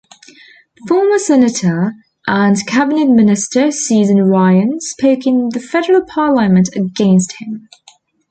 Former senator and cabinet minister Susan Ryan spoke in the federal parliament against him.